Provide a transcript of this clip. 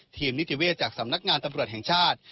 นิติเวศจากสำนักงานตำรวจแห่งชาติ